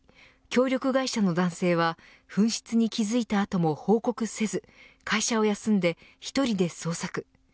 協力会社の男性は紛失に気づいた後も報告せず会社を休んで一人で捜索。